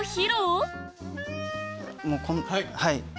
もうはい。